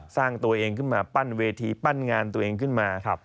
สร้างตัวเองขึ้นมาปั้นเวทีปั้นงานตัวเองขึ้นมา